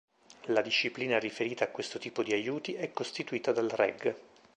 La disciplina riferita a questo tipo di aiuti è costituita dal Reg.